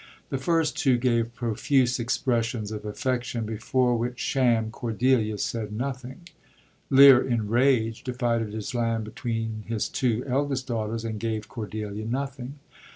The first two gave profuse expressions of affection, before which sham Cordelia said nothing. Lear, in rage, divided his land between his two eldest daughters, and gave Cordelia nothing.